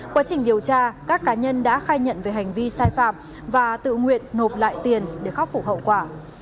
quá trình điều tra các cá nhân đã khai nhận về hành vi sai phạm và tự nguyện nộp lại tiền để khắc phục hậu quả